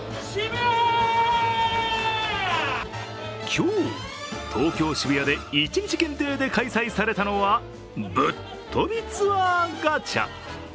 今日、東京・渋谷で一日限定で開催されたのはぶっとびツアーガチャ。